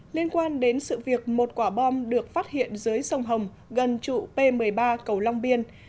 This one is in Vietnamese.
liên quan đến sự việc một quả bom được phát hiện dưới sông hồng gần trụ p một mươi ba cầu long biên